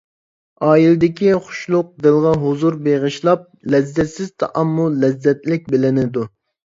ئائىلىدىكى خۇشلۇق دىلغا ھۇزۇر بېغىشلاپ، لەززەتسىز تائاممۇ لەززەتلىك بىلىنىدۇ.